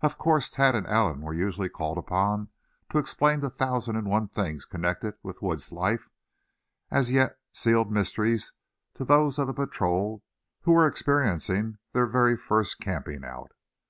Of course Thad and Allan were usually called upon to explain the thousand and one things connected with woods life, as yet sealed mysteries to those of the patrol who were experiencing their very first camping out.